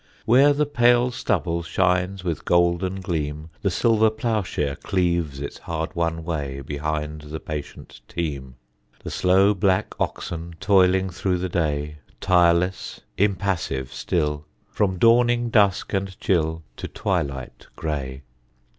Where the pale stubble shines with golden gleam The silver ploughshare cleaves its hard won way Behind the patient team, The slow black oxen toiling through the day Tireless, impassive still, From dawning dusk and chill To twilight grey.